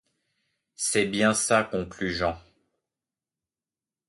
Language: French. C’est bien ça, conclut Jean.